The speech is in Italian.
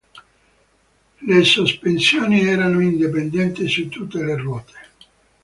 Le sospensioni erano indipendente su tutte le ruote.